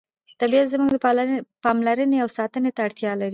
طبیعت زموږ پاملرنې او ساتنې ته اړتیا لري